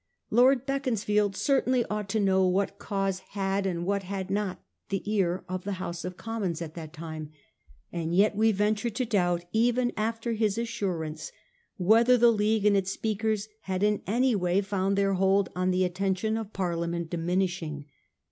Lord Beaconsfield certainly ought to know what cause had and what had not the ear of the House of Commons at that time ; and yet we venture to doubt, even after his assurance, whether the League and its speakers had in any way found their hold on the attention of Parliament diminishing.